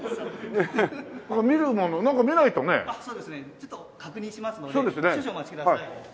ちょっと確認しますので少々お待ちください。